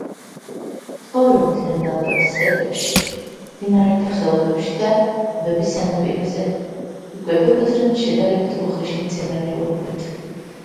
ცხოვრობდნენ ალბათ სტეპებში, მდინარეთა ხეობებში და ტბების სანაპიროზე; იკვებებოდნენ შედარებით უხეში მცენარეულობით.